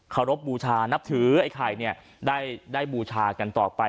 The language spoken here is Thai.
ขอรบบูชานับถือไอ้ไข่ได้บูชากันต่อไป